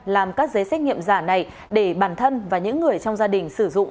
làm các giấy xét nghiệm giả này để bản thân và những người trong gia đình sử dụng